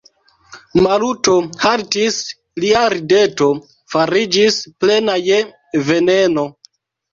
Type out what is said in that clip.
Maluto haltis, lia rideto fariĝis plena je veneno.